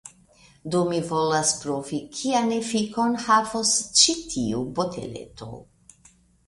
Do mi volas provi kian efikon havos ĉi tiu boteleto.